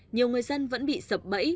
nhiều người dân vẫn bị sập bẫy